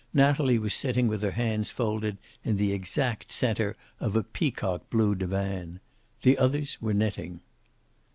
Natalie was sitting with her hands folded, in the exact center of a peacock blue divan. The others were knitting.